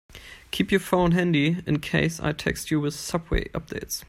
Keep your phone handy in case I text you with subway updates.